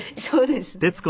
そうですね。